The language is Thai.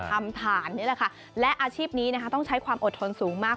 ทำฐานนี่แหละค่ะและอาชีพนี้นะคะต้องใช้ความอดทนสูงมาก